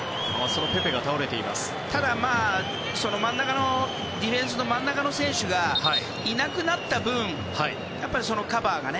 ただ、ディフェンスの真ん中の選手がいなくなった分、カバーがね。